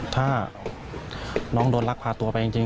ถ้าน้องโดนลักพาตัวไปจริง